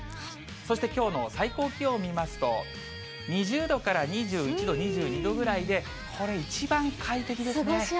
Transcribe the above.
そしてきょうの最高気温を見ますと、２０度から２１度、２２度ぐらいで、これ、一番快適ですね。